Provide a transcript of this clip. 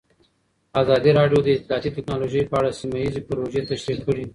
ازادي راډیو د اطلاعاتی تکنالوژي په اړه سیمه ییزې پروژې تشریح کړې.